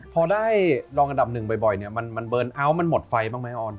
พอได้รองอันดับหนึ่งบ่อยเนี่ยมันเบิร์นเอาท์มันหมดไฟบ้างไหมออน